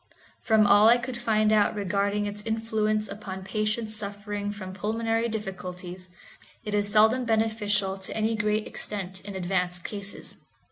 From all I could find out regarding its influence upon patients suffering from pulmonary difficulties, it is seldom beneficial to any great extent in advanced cases.